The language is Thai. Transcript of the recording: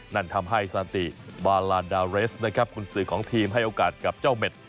นั่นทำให้ซานติบาลานดาเรสนะครับคุณสื่อของทีมให้โอกาสกับเจ้าเม็ด